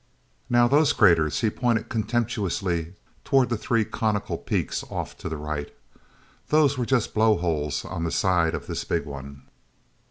"Now, those craters"—he pointed contemptuously toward the three conical peaks off to the right—"those were just blow holes on the side of this big one."